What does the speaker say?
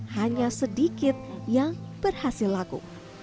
hanya sedikit yang berhasil laku